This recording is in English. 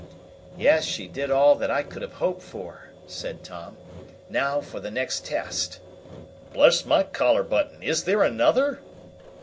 "Yes, she did all that I could have hoped for," said Tom. "Now for the next test." "Bless my collar button! is there another?"